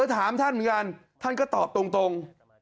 ถามท่านเหมือนกันท่านก็ตอบตรง